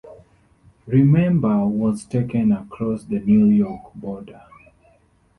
Remember was taken across the New York border.